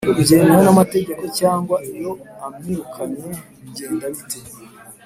byemewe n’amategeko cyangwa iyo amwirukanye bigenda bite?